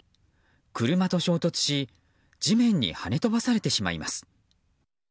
車と衝突し地面に跳ね飛ばされてしまいます。